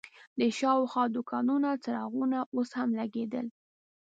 د شاوخوا دوکانونو څراغونه اوس هم لګېدل.